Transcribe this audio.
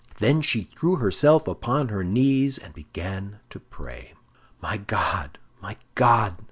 Then she threw herself upon her knees, and began to pray. "My God, my God!"